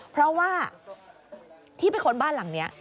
เพราะว่าที่ไปค้นบ้านหลังนี้